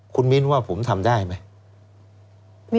คุณมิ้นว่าผมทำได้ไหม